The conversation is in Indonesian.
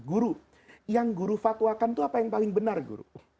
guru yang guru fatwakan itu apa yang paling benar guru